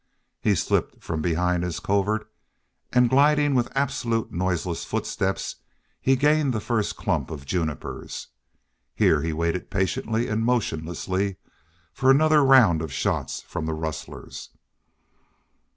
He slipped from behind his covert and, gliding with absolutely noiseless footsteps, he gained the first clump of junipers. Here he waited patiently and motionlessly for another round of shots from the rustlers.